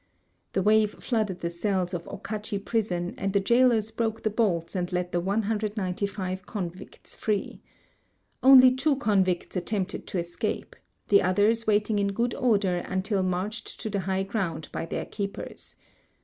The wave flooded the cells of Okachi prison and the jailers broke the bolts and let the 195 convicts free. Onlv two convicts attempted to escape, the others waiting in good order until marched to the high ground b}"^ their keepers.